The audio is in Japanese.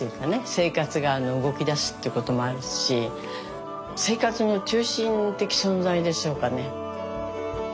生活が動きだすっていうこともあるし生活の中心的存在でしょうかね。